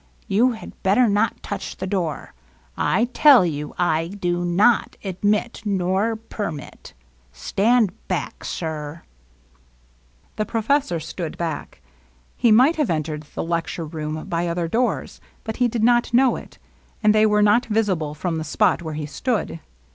You had better not touch the door. I tell you, I do not admit nor permit. Stand back, sir !" The professor stood back. He might have entered the lecture room by other doors, but he did not know it ; and they were not visible from the spot where he stood.